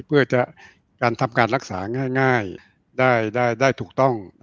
เพื่อการทำการรักษาง่ายได้ถูกต้อง